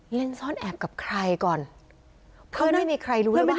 เล่นซ่อนแอบกับใครก่อนเพื่อนไม่มีใครรู้ว่าหายไป